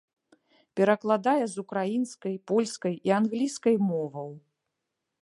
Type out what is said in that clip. Перакладае з украінскай, польскай і англійскай моваў.